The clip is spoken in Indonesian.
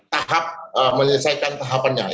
tahap menyelesaikan tahapannya